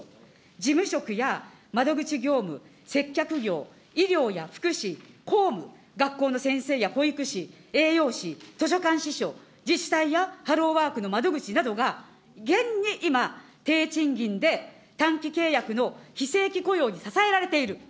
事務職や窓口業務、接客業、医療や福祉、公務、学校の先生や保育士、栄養士、図書館司書、自治体やハローワークの窓口などが、現に今、低賃金で、短期契約の非正規雇用に支えられている。